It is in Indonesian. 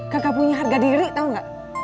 gak punya harga diri tau gak